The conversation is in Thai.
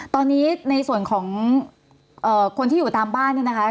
ตอนนี้ในส่วนของคนที่อยู่ตามบ้านเนี่ยนะคะ